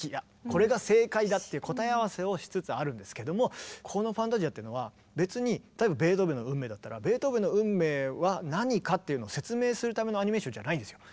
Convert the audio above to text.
これが正解だっていう答え合わせをしつつあるんですけどもこの「ファンタジア」ってのは別に例えばベートーベンの「運命」だったらベートーベンの「運命」は何かっていうの説明するためのアニメーションじゃないですよ。